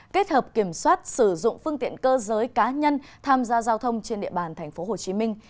kết hợp kiểm soát sử dụng phương tiện cơ giới cá nhân tham gia giao thông trên địa bàn thành phố hồ chí minh